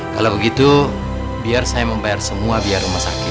kalau begitu biar saya membayar semua biar rumah sakit